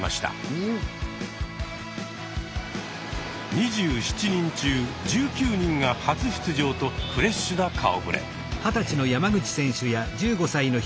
２７人中１９人が初出場とフレッシュな顔ぶれ。